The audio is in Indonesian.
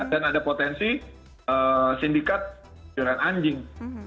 dan ada potensi sindikat penjualan anjing